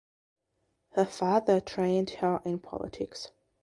Her father trained her in politics.